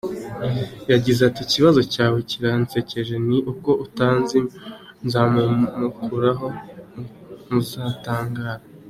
Yagize ati “Ikibazo cyawe kiransekeje ni uko utanzi, nzamumukuraho muzatangara.